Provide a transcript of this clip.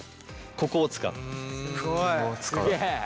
ここを使う。